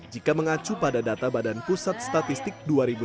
jika mengacu pada data badan pusat statistik dua ribu dua puluh